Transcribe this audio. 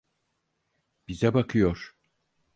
Bize bakıyor.